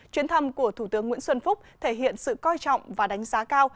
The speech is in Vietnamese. chuyến thăm của thủ tướng nguyễn xuân phúc thể hiện sự coi trọng và đánh giá cao